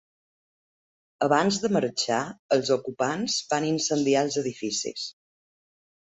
Abans de marxar, els ocupants van incendiar els edificis.